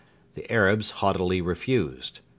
The Arabs haughtily refused.